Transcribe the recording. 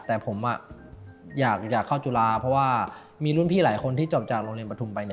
แต่ผมอยากเข้าจุฬาเพราะว่ามีรุ่นพี่หลายคนที่จบจากโรงเรียนประทุมไป